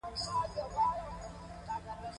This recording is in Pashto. د خوابدیو، خپلمنځي شخړو او دښمنیو لمن پراخیږي.